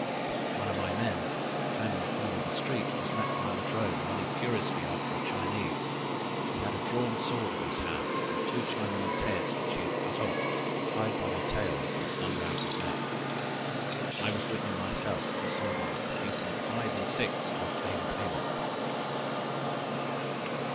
One of my men turning the corner of a street was met by a Ladrone running furiously after a Chinese; he had a drawn sword in his hand, and two Chinaman's heads which he had cut off, tied by their tails, and slung round his neck. I was witness myself to some of them producing five or six to obtain payment!